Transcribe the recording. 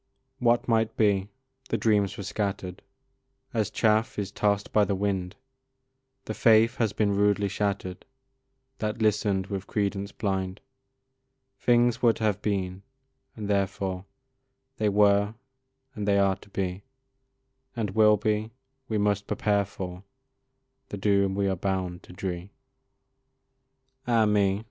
What might be! the dreams were scatter'd, As chaff is toss'd by the wind, The faith has been rudely shattered That listen'd with credence blind; Things were to have been, and therefore They were, and they are to be, And will be; we must prepare for The doom we are bound to dree. Ah, me!